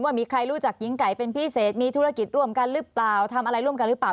ว่ามีใครรู้จักหญิงไก่เป็นพิเศษมีธุรกิจร่วมกันหรือเปล่าทำอะไรร่วมกันหรือเปล่า